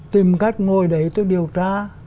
tìm cách ngồi đấy tôi điều tra